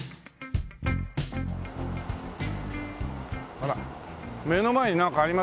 あら目の前になんかありますよ。